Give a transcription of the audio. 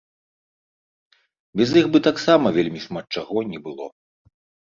Без іх бы таксама вельмі шмат чаго не было.